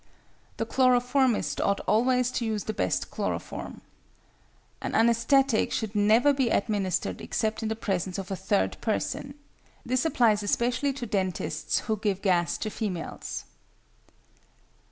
The chloroformist ought always to use the best chloroform. An anæsthetic should never be administered except in the presence of a third person. This applies especially to dentists who give gas to females.